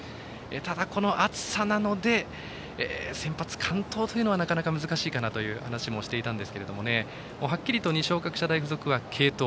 ただ、この暑さなので先発完投というのはなかなか難しいかなという話もしていましたがはっきりと二松学舎大付属は継投。